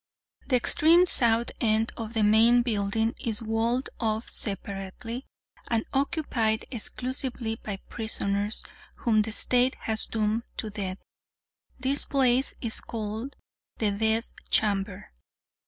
"The extreme south end of the main building is walled off separately, and occupied exclusively by prisoners whom the State has doomed to death. This place is called the Death Chamber.